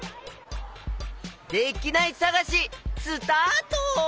できないさがしスタート！